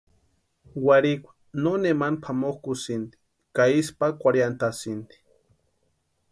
Warhikwa nonemani pʼamokʼusïnti ka isï pákwarhiantasïnti.